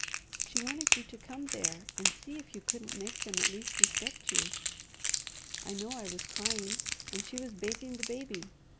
She wanted you to come there and see if you couldn't make them at least respect you. I know I was crying, and she was bathing the baby.